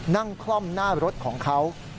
คล่อมหน้ารถของเขา